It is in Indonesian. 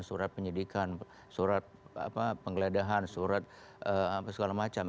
surat penyelidikan surat penggeledahan surat segala macam